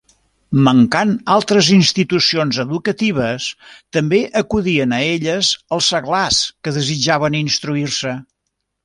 Mancant altres institucions educatives, també acudien a elles els seglars que desitjaven instruir-se.